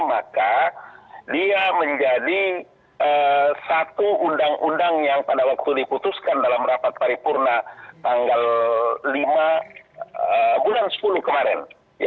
maka dia menjadi satu undang undang yang pada waktu diputuskan dalam rapat paripurna tanggal lima bulan sepuluh kemarin